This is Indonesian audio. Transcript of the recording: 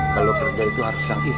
kalau kerja itu harus yang ikhlas